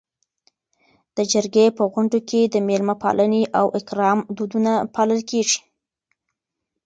د جرګې په غونډو کي د میلمه پالنې او اکرام دودونه پالل کيږي.